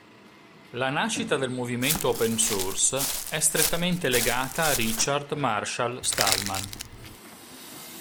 La nascita del movimento Open Source è strettamente legata a Richard Marshall Stallman.